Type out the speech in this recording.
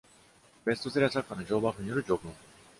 ベストセラー作家のジョー・バフによる序文。